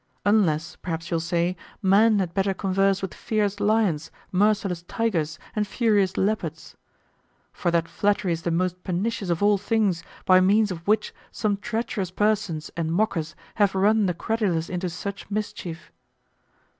Unless, perhaps you'll say, men had better converse with fierce lions, merciless tigers, and furious leopards. For that flattery is the most pernicious of all things, by means of which some treacherous persons and mockers have run the credulous into such mischief.